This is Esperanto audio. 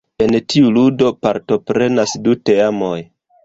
En tiu ludo partoprenas du teamoj.